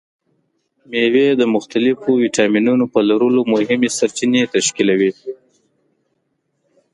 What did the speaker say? مېوې د مختلفو ویټامینونو په لرلو مهمې سرچینې تشکیلوي.